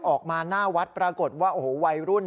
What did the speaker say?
ออกมาหน้าวัดปรากฏว่าโอ้โหวัยรุ่น